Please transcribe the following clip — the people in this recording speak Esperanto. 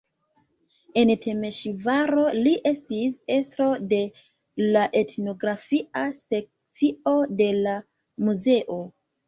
En Temeŝvaro li estis estro de la etnografia sekcio de la muzeo.